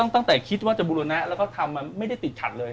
ตั้งแต่คิดว่าจะบูรณะแล้วก็ทำไม่ได้ติดขัดเลย